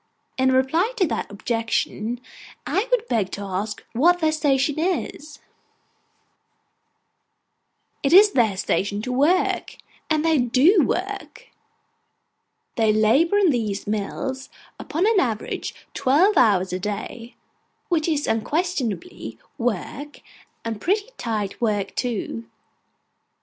In reply to that objection, I would beg to ask what their station is. It is their station to work. And they do work. They labour in these mills, upon an average, twelve hours a day, which is unquestionably work, and pretty tight work too.